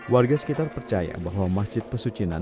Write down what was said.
warga sekitar percaya bahwa masjid pesucinan